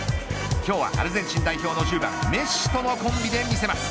今日はアルゼンチン代表の１０番メッシとのコンビで見せます。